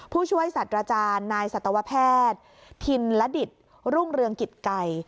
ผู้ช่วยสัตว์อาจารย์นายสัตวแพทย์ธินระดิตรุ่งเรืองกิจไก่